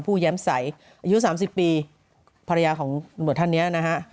ผู้แย้มใสอายุ๓๐ปีภรรยาของหลวงบริษัทนี้นะฮะ